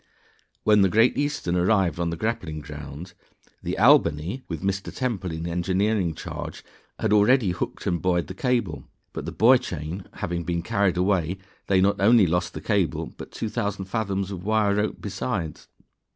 _ When the Great Eastern arrived on the grappling ground, the Albany (with Mr. Temple in engineering charge) had already hooked and buoyed the cable, but the buoy chain having been carried away, they not only lost the cable, but 2,000 fathoms of wire rope besides.